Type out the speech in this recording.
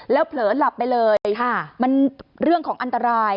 แล้วเผลอหลับไปเลยมันเรื่องของอันตราย